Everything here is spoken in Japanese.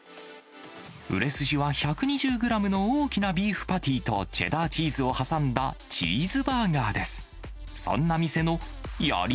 売れ筋は、１２０グラムの大きなビーフパティとチェダーチーズを挟んだチーズバーガーです。